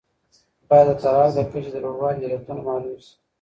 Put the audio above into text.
باید د طلاق د کچې د لوړوالي علتونه معلوم سي.